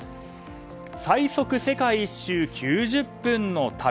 最速世界１周９０分の旅。